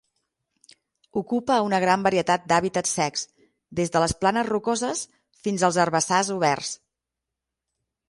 Ocupa una gran varietat d'hàbitats secs, des de les planes rocoses fins als herbassars oberts.